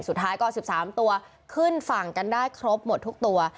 สุดท้ายก็๑๓ตัวขึ้นฝั่งกันได้ครบหมดทุกตัว